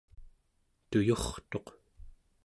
tuyurtuq